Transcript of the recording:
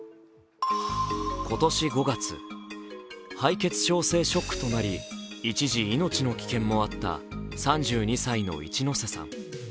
今年５月、敗血症性ショックとなり一時、命の危険もあった３１歳のいちのせさん。